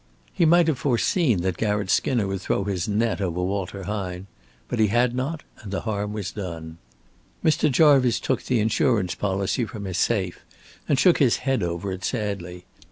He might have foreseen that Garratt Skinner would throw his net over Walter Hine. But he had not, and the harm was done. Mr. Jarvice took the insurance policy from his safe and shook his head over it sadly.